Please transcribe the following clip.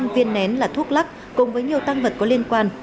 sáu mươi năm viên nén là thuốc lắc cùng với nhiều tăng vật có liên quan